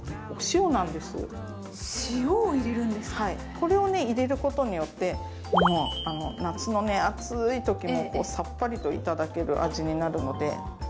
これをね入れることによって夏のね暑いときもサッパリと頂ける味になるので。